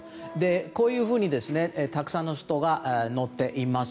こういうふうに、たくさんの人が載っています。